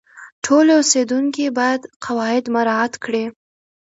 ټول اوسیدونکي باید قواعد مراعات کړي.